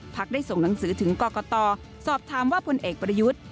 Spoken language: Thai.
ได้ส่งหนังสือถึงกรกตสอบถามว่าพลเอกประยุทธ์